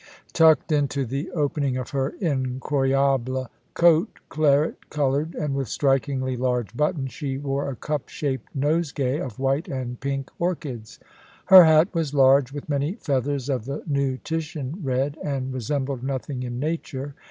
Tucked into the opening of her "Incroyable" coat, claret coloured and with strikingly large buttons, she wore a cup shaped nosegay of white and pink orchids. Her hat was large, with many feathers of the new Titian red, and resembled nothing in nature.